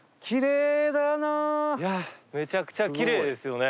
いやめちゃくちゃきれいですよね。